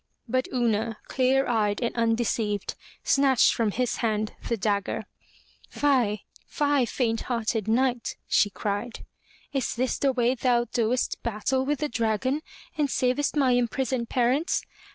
But Una, clear eyed and undeceived, snatched from his hand the dagger. 'Tie, fie, faint hearted Knight!" she cried. ''Is this the way thou doest battle with the dragon, and savest my imprisoned parents?